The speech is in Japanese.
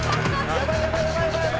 「やばいやばい！」